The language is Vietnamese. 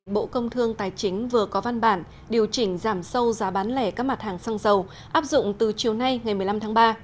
bộ công thương tài chính vừa có văn bản điều chỉnh giảm sâu giá bán lẻ các mặt hàng xăng dầu áp dụng từ chiều nay ngày một mươi năm tháng ba